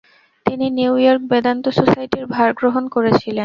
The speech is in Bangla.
তিনি নিউ ইয়র্ক বেদান্ত সোসাইটির ভার গ্রহণ করেছিলেন।